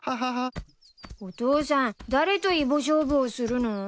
お父さん誰とイボ勝負をするの？